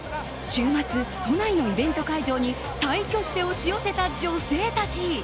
週末、都内のイベント会場に大挙して押し寄せた女性たち。